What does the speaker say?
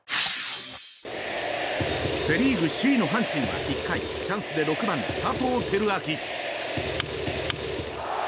セ・リーグ首位の阪神は１回チャンスで６番、佐藤輝明。